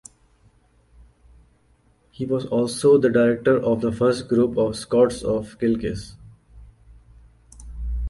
He was also the director of the first group of scouts of Kilkis.